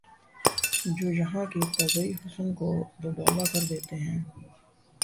جو یہاں کے طبعی حسن کو دوبالا کر دیتے ہیں